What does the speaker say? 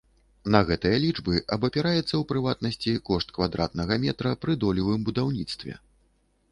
На гэтыя лічбы абапіраецца, у прыватнасці, кошт квадратнага метра пры долевым будаўніцтве.